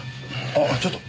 あっちょっと！